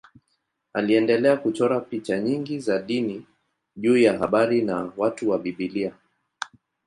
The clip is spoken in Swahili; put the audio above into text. Aliendelea kuchora picha nyingi za dini juu ya habari na watu wa Biblia.